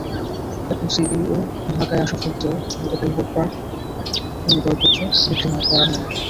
এরপর সিইও ঢাকায় আসা সত্ত্বেও গতকাল রোববার কোনো দরপত্র বিক্রি করা হয়নি।